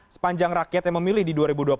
sepanjang rakyat yang memilih di